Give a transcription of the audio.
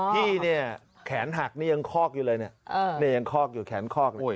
พี่เนี่ยแขนหักนี่ยังคอกอยู่เลยเนี่ยยังคอกอยู่แขนคอกเลย